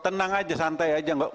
tenang aja santai aja